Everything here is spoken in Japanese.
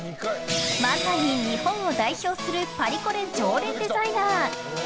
まさに日本を代表するパリコレ常連デザイナー。